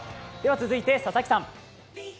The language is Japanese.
では続いて佐々木さん。